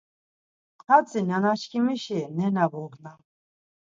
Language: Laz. Hatzi nanaçkimişi nena bognam.